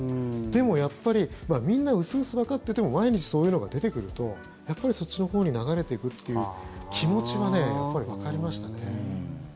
でも、やっぱりみんな薄々わかってても毎日そういうのが出てくるとやっぱりそっちのほうに流れてくっていう気持ちはやっぱりわかりましたね。